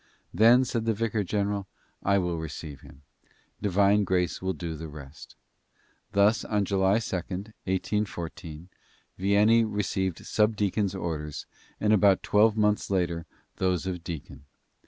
"Then," said the vicar general, "I will receive him. Divine grace will do the rest." Thus, on July 2d, 1814, Vianney received subdeacon's orders and about twelve month's later those of deacon.